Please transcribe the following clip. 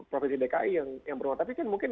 provinsi dki yang berwarna tapi kan mungkin